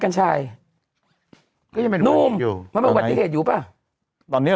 กันชายก็ยังเป็นอุบัติเหตุอยู่นุ่มมันเป็นอุบัติเหตุอยู่ป่ะตอนเนี้ย